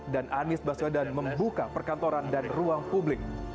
dan anies baswedan membuka perkantoran dan ruang publik